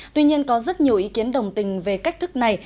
tuy nhiên có rất nhiều ý kiến đồng tình về cách thức này